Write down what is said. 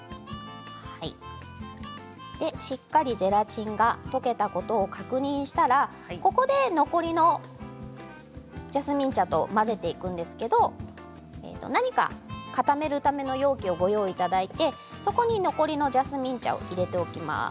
しっかりゼラチンが溶けたことを確認したらここで残りのジャスミン茶と混ぜていくんですが何か固めるための容器を用意していただいてそこに残りのジャスミン茶を入れておきます。